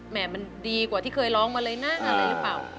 มันดีกว่าที่เคยร้องมาเลยนะอะไรหรือเปล่า